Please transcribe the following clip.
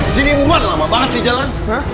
sini umat lama banget sih jalan